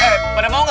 eh pada mau gak